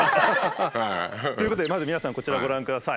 ということでまず皆さんこちらご覧ください。